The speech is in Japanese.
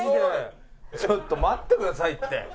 ちょっと待ってくださいって。